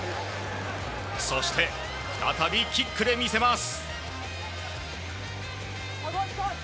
そして再びキックで見せます。